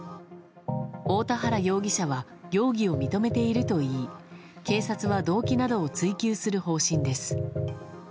大田原容疑者は容疑を認めているといい警察は、動機などを追及する方針です。